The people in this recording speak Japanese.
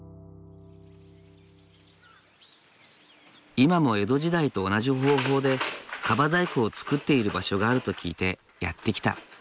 今も江戸時代と同じ方法で樺細工を作っている場所があると聞いてやって来た。